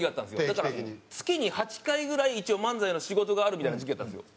だから月に８回ぐらい一応漫才の仕事があるみたいな時期やったんですよ。